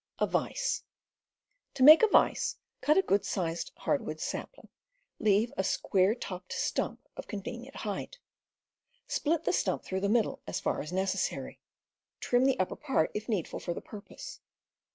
To make a vise: cut a good sized hardwood sapHng, leaving a square topped stump of convenient height. Split the stump through the middle as far as necessary. Trim the upper part, if needful for the purpose.